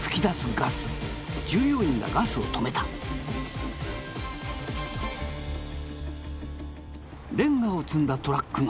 ガス従業員がガスを止めたレンガを積んだトラックが